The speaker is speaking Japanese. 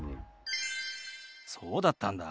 そうだったんだ。